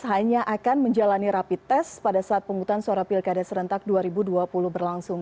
hanya akan menjalani rapid test pada saat penghutang suara pilkada serentak dua ribu dua puluh berlangsung